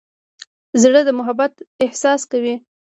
زړه د محبت احساس کوي.